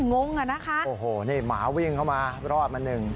งงอ่ะนะคะโอ้โหนี่หมาวิ่งเข้ามารอดมาหนึ่ง